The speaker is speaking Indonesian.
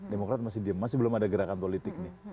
demokrat masih diem masih belum ada gerakan politik nih